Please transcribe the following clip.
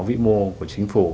vĩ mô của chính phủ